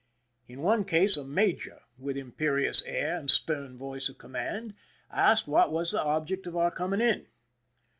In one case a major, with imperious air and stern voice of command, asked what was the object of our coming in.